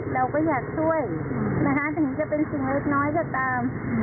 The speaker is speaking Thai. เราก็อยากช่วยนะคะถึงจะเป็นสิ่งเล็กน้อยก็ตาม